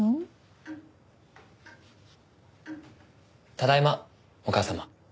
ただいまお母様。